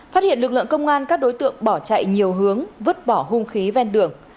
phát hiện lực lượng công an các đối tượng bỏ chạy nhiều hướng vứt bỏ hung khí ven đường